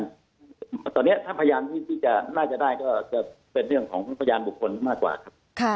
ตอนนี้ถ้าพยานที่จะน่าจะได้ก็จะเป็นเรื่องของพยานบุคคลมากกว่าครับ